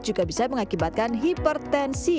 juga bisa mengakibatkan hipertensi